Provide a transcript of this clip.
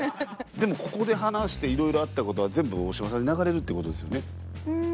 でもここで話していろいろあった事は全部大島さんに流れるっていう事ですよね？